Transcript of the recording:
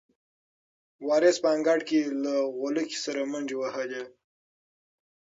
وارث په انګړ کې له غولکې سره منډې وهلې.